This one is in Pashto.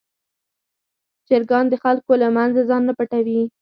چرګان د خلکو له منځه ځان نه پټوي.